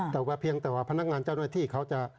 แต่ว่าเพียงแต่ว่าพนักงานเจ้าหน้าที่เขาจะ